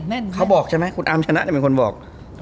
เนี่ยเขาบอกใช่ไหมคุณอามชนะสัยเป็นคนบอก